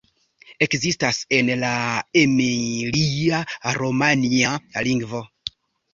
Ekzistas en la emilia-romanja lingvo.